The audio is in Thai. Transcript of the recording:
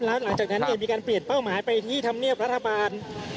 แล้วหลังจากนั้นมีการเปลี่ยนเป้าหมายไปที่ธรรมเนียบรัฐบาล